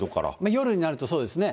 夜になるとそうですね。